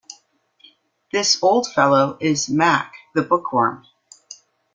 This old fellow is Mac, the bookworm.